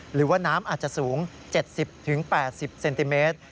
หรือว่าน้ำอาจจะสูง๗๐๘๐เซนติเมตร